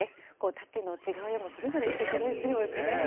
タッチの違う絵もそれぞれすてきですよね。